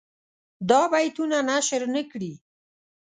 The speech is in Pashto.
دا بیتونه نشر نه کړي.